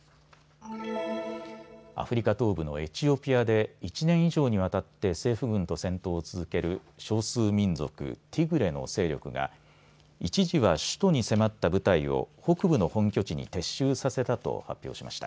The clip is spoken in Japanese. アフリカ東部のエチオピアで１年以上にわたって政府軍と戦闘を続ける少数民族、ティグレの勢力が一時は首都に迫った部隊を北部の本拠地に撤収させたと発表しました。